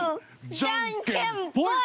じゃんけんポイ！